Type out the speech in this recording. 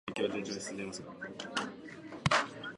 そんな中、ユウタの前に、一人の美しい女性が現れた。